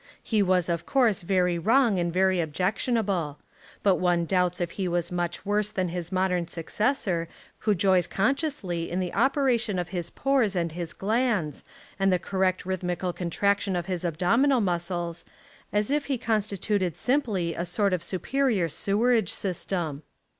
He was of course very wrong and very objection able. But one doubts if he was much worse than his modern successor who joys consciously in the operation of his pores and his glands, and the correct rhythmical contraction of his abdominal muscles, as if he constituted simply a sort of superior sewerage system.